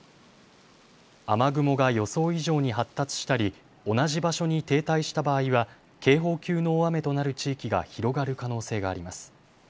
雨雲が予想以上に発達したり同じ場所に停滞した場合は警報級の大雨となる地域が広がる可能性があります。